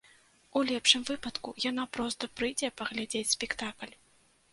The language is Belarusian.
У лепшым выпадку яна проста прыйдзе паглядзець спектакль.